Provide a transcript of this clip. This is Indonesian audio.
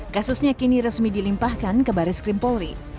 kasusnya kini resmi dilimpahkan ke baris krim polri